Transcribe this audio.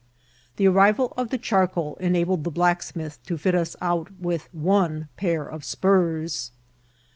The arrival of the charcoal enabled the blacksmith to fit us out with one pair of spurs.